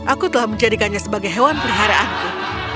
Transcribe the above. aku telah menjadikannya sebagai hewan peliharaanku